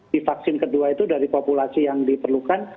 divaksin kedua itu dari populasi yang diperlukan